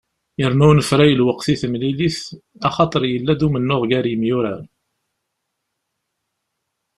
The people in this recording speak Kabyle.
Yerna unefray lweqt i temlilit axaṭer yella-d umennuɣ gar yemyurar.